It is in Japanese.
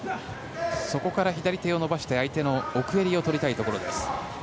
そこから左手で相手の奥襟を取りたいところです。